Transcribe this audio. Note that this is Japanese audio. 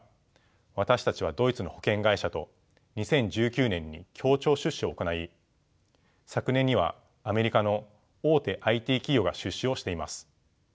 私たちはドイツの保険会社と２０１９年に協調出資を行い昨年にはアメリカの大手ＩＴ企業が出資をしています。